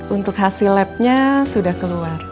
untuk hasil labnya sudah keluar